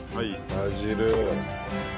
バジル。